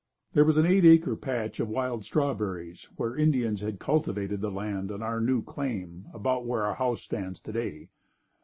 There was an eight acre patch of wild strawberries where Indians had cultivated the land on our new claim about where our house stands today.